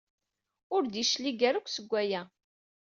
Ur d-yeclig ara akk seg waya!